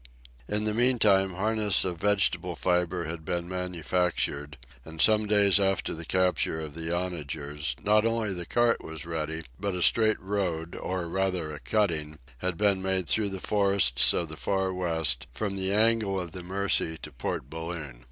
In the meantime harness of vegetable fiber had been manufactured, and some days after the capture of the onagers, not only the cart was ready, but a straight road, or rather a cutting, had been made through the forests of the Far West, from the angle of the Mercy to Port Balloon.